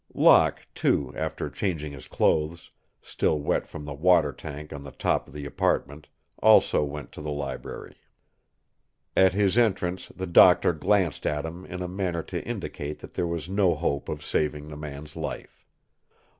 Locke, too, after changing his clothes, still wet from the water tank on the top of the apartment, also went to the library. At his entrance the doctor glanced at him in a manner to indicate that there was no hope of saving the man's life.